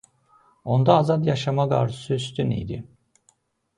Onda azad yaşamaq arzusu üstün idi.